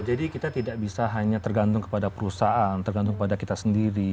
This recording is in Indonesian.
jadi kita tidak bisa hanya tergantung kepada perusahaan tergantung kepada kita sendiri